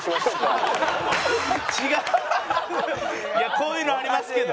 こういうのありますけど。